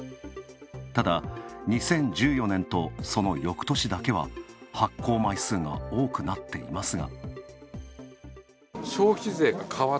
ただ、２０１４年と、そのよくとしだけは発行枚数が多くなっていますが。